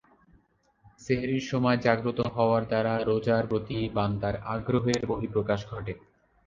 সেহ্রির সময় জাগ্রত হওয়ার দ্বারা রোজার প্রতি বান্দার আগ্রহের বহিঃপ্রকাশ ঘটে।